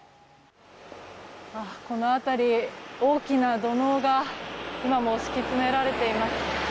この辺り、大きな土のうが今も敷き詰められています。